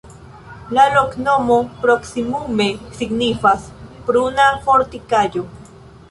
La loknomo proksimume signifas: pruna-fortikaĵo.